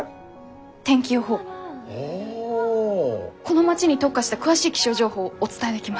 この町に特化した詳しい気象情報お伝えできます。